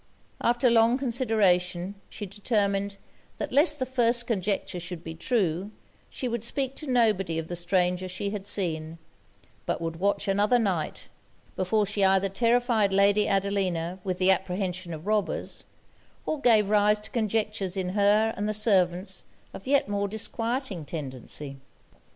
After long consideration, she determined, that lest the first conjecture should be true, she would speak to nobody of the stranger she had seen; but would watch another night, before she either terrified Lady Adelina with the apprehension of robbers, or gave rise to conjectures in her and the servants of yet more disquieting tendency.